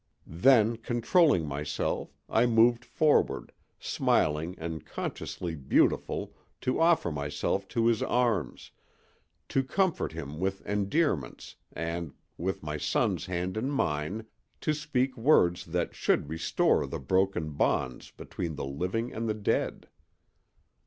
Then, controlling myself, I moved forward, smiling and consciously beautiful, to offer myself to his arms, to comfort him with endearments, and, with my son's hand in mine, to speak words that should restore the broken bonds between the living and the dead.